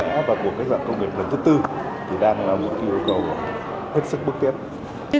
giá trị và giá trị của các công nghệ thứ bốn đang là mục tiêu của quốc tế